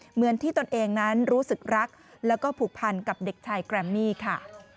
เหมือนที่ตนเองนั้นรู้สึกรักแล้วก็ผูกพันกับเด็กชายแกรมมี่ค่ะ